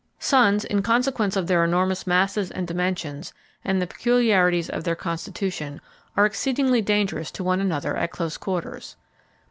Suns, in consequence of their enormous masses and dimensions and the peculiarities of their constitution, are exceedingly dangerous to one another at close quarters.